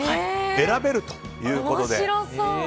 選べるということで。